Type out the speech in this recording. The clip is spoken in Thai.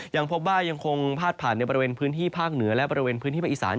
ยังพบว่ายังคงพาดผ่านในบริเวณพื้นที่ภาคเหนือและบริเวณพื้นที่ภาคอีสาน